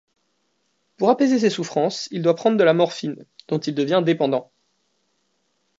Pour apaiser ses souffrances, il doit prendre de la morphine, dont il devient dépendant.